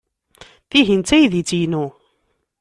Tihin d taydit-inu.